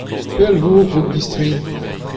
pell e vo a-raok distreiñ .